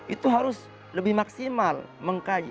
itu harus lebih maksimal mengkaji